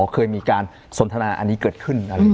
เคยมีการสนทนาอันนี้เกิดขึ้น